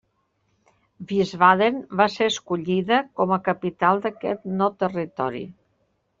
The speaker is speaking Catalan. Wiesbaden va ser escollida com a capital d'aquest no territori.